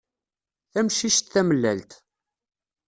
Tamcict tamellalt.